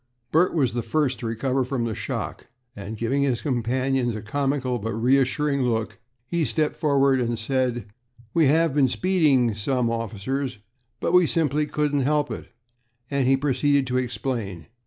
Bert was the first to recover from the shock, and giving his companions a comical, but reassuring look, he stepped forward and said, "We have been speeding some, officers, but we simply couldn't help it," and he proceeded to explain.